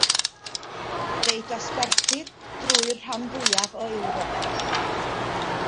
Fe'i dosbarthir drwy'r rhan fwyaf o Ewrop.